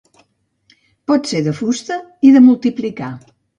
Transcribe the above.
Pot ser de fusta i de multiplicar.